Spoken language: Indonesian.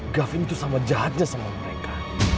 gavin itu sama jahatnya sama mereka